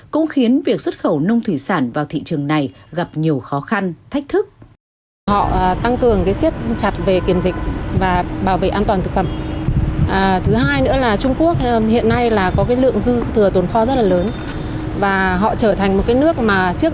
cũng khiến việc xuất khẩu nông thủy sản vào thị trường này gặp nhiều khó khăn thách thức